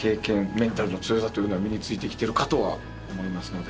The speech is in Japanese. メンタルの強さというのは身に付いてきてるかとは思いますので。